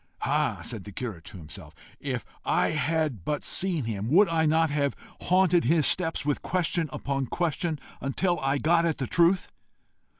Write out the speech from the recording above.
"Ah!" said the curate to himself, "if I had but seen him, would not I have minded him! would I not have haunted his steps, with question upon question, until I got at the truth!"